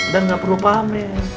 dan gak perlu pamer